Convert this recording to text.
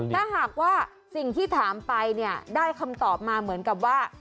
ถ้าหากว่าสิ่งที่ถามไปเนี่ยได้คำตอบมาเหมือนกับว่า